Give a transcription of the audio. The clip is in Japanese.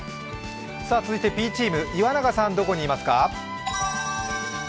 Ｂチーム、岩永さん、どこにいますか？